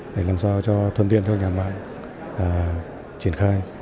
để làm sao cho thân tiên cho các nhà mạng triển khai